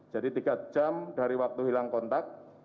jadi tiga jam dari waktu hilang kontak